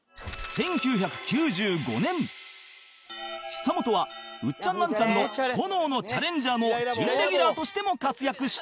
久本は『ウッチャンナンチャンの炎のチャレンジャー』の準レギュラーとしても活躍した